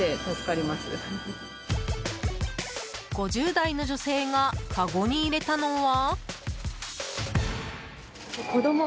５０代の女性がかごに入れたのは。